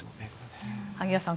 萩谷さん